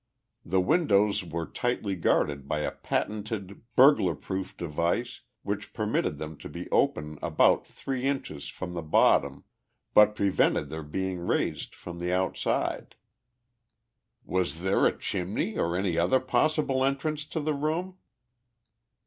The windows were tightly guarded by a patented burglar proof device which permitted them to be open about three inches from the bottom, but prevented their being raised from the outside." "Was there a chimney or any other possible entrance to the room?"